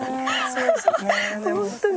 ホントに。